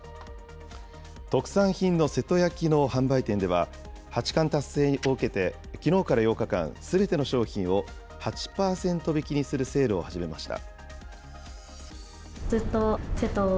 特産品の瀬戸焼の販売店では、八冠達成を受けてきのうから８日間、すべての商品を８％引きにするセールを始めました。